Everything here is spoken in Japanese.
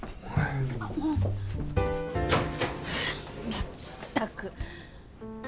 まったく！